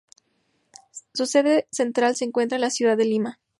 Su sede central se encuentra en la ciudad de Lima.